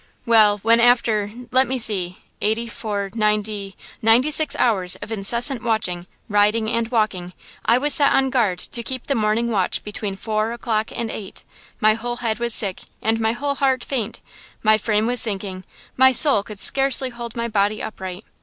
"Well, when after–let me see–eighty four–ninety–ninety six hours of incessant watching, riding and walking, I was set on guard to keep the morning watch between four o'clock and eight, 'my whole head was sick and my whole heart faint'; my frame was sinking; my soul could scarcely hold my body upright.